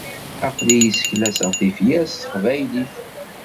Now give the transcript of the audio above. Aql-i seklaseɣ tifyar s teqbaylit.